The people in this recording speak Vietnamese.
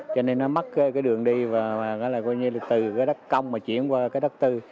cho nên nó mắc cái đường đi và nó là coi như là từ cái đất cong mà chuyển qua cái đất tư